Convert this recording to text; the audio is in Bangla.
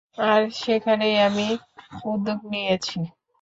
আর সেখানেই আমি এই উদ্দ্যোগ নিয়েছি।